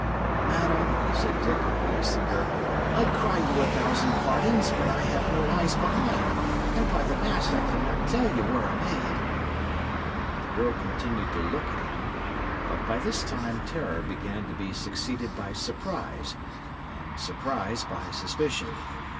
"Madam," said Dick, releasing her, "I cry you a thousand pardons; but I have no eyes behind, and, by the mass, I could not tell ye were a maid." The girl continued to look at him, but, by this time, terror began to be succeeded by surprise, and surprise by suspicion.